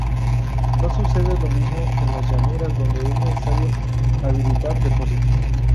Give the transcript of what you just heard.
No sucede lo mismo en las llanuras donde es necesario habilitar depósitos.